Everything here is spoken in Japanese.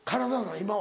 今は。